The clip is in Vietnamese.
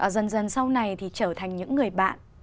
dần dần sau này thì trở thành những người bạn